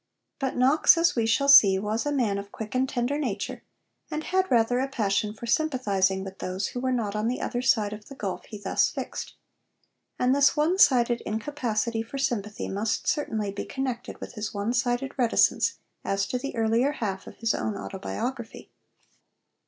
But Knox, as we shall see, was a man of quick and tender nature, and had rather a passion for sympathising with those who were not on the other side of the gulf he thus fixed. And this one sided incapacity for sympathy must certainly be connected with his one sided reticence as to the earlier half of his own autobiography.